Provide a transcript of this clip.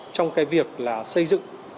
trong việc xây dựng